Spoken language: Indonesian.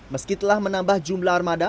meski telah menambah jumlah armada